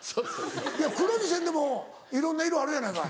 いや黒にせんでもいろんな色あるやないかい。